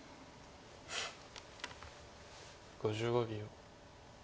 ５５秒。